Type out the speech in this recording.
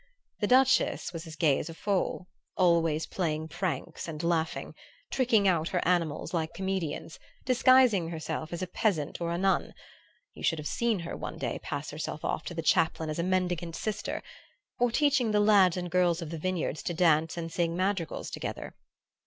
The Duchess was as gay as a foal, always playing pranks and laughing, tricking out her animals like comedians, disguising herself as a peasant or a nun (you should have seen her one day pass herself off to the chaplain as a mendicant sister), or teaching the lads and girls of the vineyards to dance and sing madrigals together.